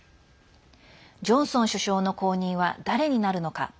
ジョンソン首相の後任は誰になるのか。